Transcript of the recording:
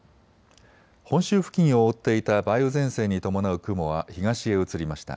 本州付近を覆っていた梅雨前線に伴う雲は東へ移りました。